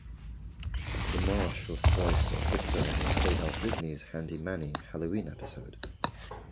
LaMarche was the voice of Victor in Playhouse Disney's "Handy Manny" Halloween episode.